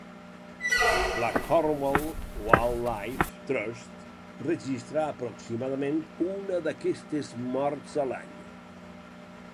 La Cornwall Wildlife Trust registra aproximadament una d'aquestes morts a l'any.